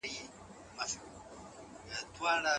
پوهه تر تورې ډېره پیاوړې ده.